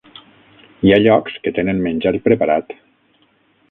Hi ha llocs que tenen menjar preparat.